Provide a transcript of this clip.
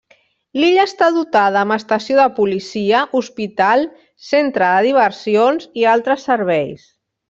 L'illa està dotada amb estació de policia, hospital, centre de diversions, i altres serveis.